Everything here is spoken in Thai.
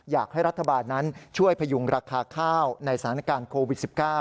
อยากให้รัฐบาลนั้นช่วยพยุงราคาข้าวในสถานการณ์โควิด๑๙